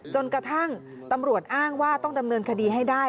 จนกระทั่งตำรวจอ้างว่าต้องดำเนินคดีให้ได้